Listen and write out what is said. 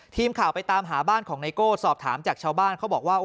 ทีมข่าวไปตามหาบ้านของไนโก้สอบถามจากชาวบ้านเขาบอกว่า